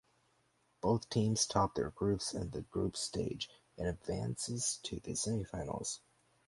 Both teams topped their groups in the group stage and advances to the semifinals.